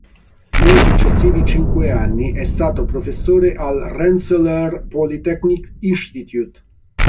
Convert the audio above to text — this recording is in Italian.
Nei successivi cinque anni è stato professore all'Rensselaer Polytechnic Institute.